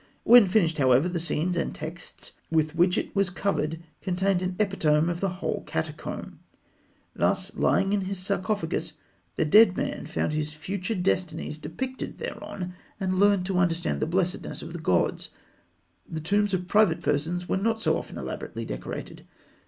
When finished, however, the scenes and texts with which it was covered contained an epitome of the whole catacomb. Thus, lying in his sarcophagus, the dead man found his future destinies depicted thereon, and learned to understand the blessedness of the gods. The tombs of private persons were not often so elaborately decorated.